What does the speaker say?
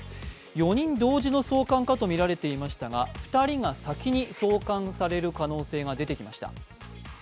４人同時の送還かとみられていましたが、２人が先に送還される可能性が出てきました。